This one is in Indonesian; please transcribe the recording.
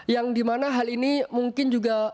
yang dimana hal ini mungkin juga